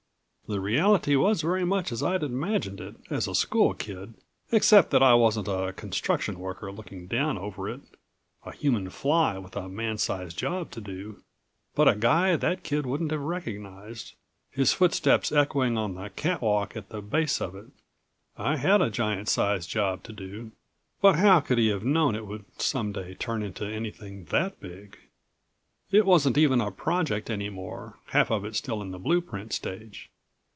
The reality was very much as I'd imagined it as a school kid, except that I wasn't a construction worker looking down over it, a human fly with a man size job to do, but a guy that kid wouldn't have recognized, his footsteps echoing on the catwalk at the base of it. I had a giant size job to do, but how could he have known it would some day turn into anything that big? It wasn't even a project anymore half of it still in the blueprint stage.